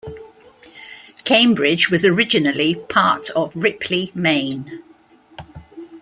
Cambridge was originally part of Ripley, Maine.